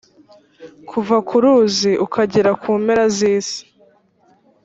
kuva ku ruzi ukagera ku mpera z’isi